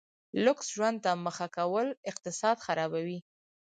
لوکس ژوند ته مخه کول اقتصاد خرابوي.